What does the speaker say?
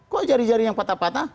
kok jari jari yang patah patah